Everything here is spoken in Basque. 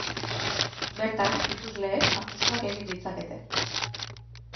Bertan, ikusleek apustuak egin ditzakete.